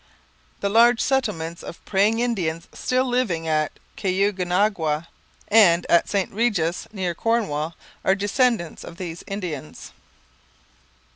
The large settlements of 'praying Indians' still living at Caughnawaga and at St Regis, near Cornwall, are descendants of these Indians.